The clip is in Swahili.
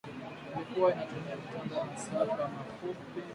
ilikua inatumia mitambo ya masafa mafupi ,